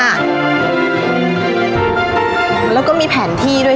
แล้วก็มีแผนที่ด้วย